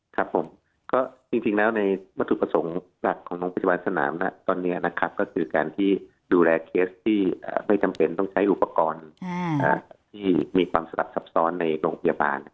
ครับผมก็จริงแล้วในวัตถุประสงค์หลักของโรงพยาบาลสนามตอนนี้นะครับก็คือการที่ดูแลเคสที่ไม่จำเป็นต้องใช้อุปกรณ์ที่มีความสลับซับซ้อนในโรงพยาบาล